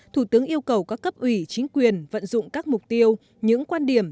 thủ tướng yêu cầu các cấp ủy chính quyền vận dụng các mục tiêu những quan điểm